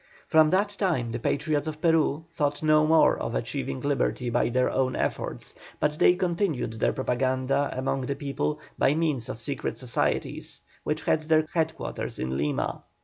From that time the Patriots of Peru thought no more of achieving liberty by their own efforts, but they continued their propaganda among the people by means of secret societies, which had their head quarters in Lima.